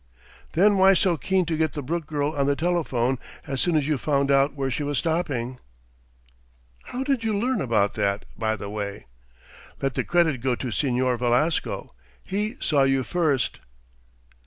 "Then why so keen to get the Brooke girl on the telephone as soon as you found out where she was stopping?" "How did you learn about that, by the way?" "Let the credit go to Señor Velasco. He saw you first."